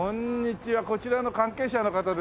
こちらの関係者の方ですよね？